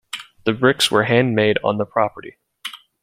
The bricks were handmade on the property.